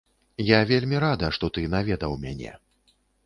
Я вельмі рада, што ты наведаў мяне.